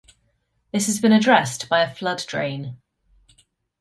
This has been addressed by a flood drain.